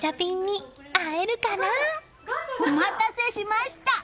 お待たせしました！